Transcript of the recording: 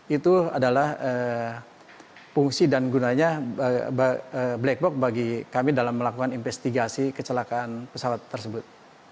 itu adalah fungsi dan gunanya black box bagi kami dalam melakukan investigasi kecelakaan pesawat tersebut